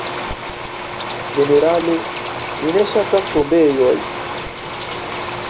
Ĝenerale mi ne ŝatas tombejojn.